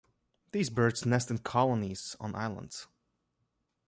These birds nest in colonies on islands.